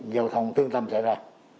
giao thông tương tâm sẽ ra